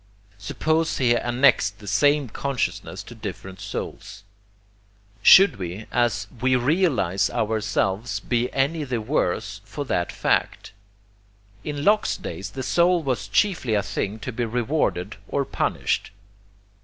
Suppose he annexed the same consciousness to different souls, | should we, as WE realize OURSELVES, be any the worse for that fact? In Locke's day the soul was chiefly a thing to be rewarded or punished.